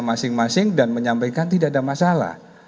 masing masing dan menyampaikan tidak ada masalah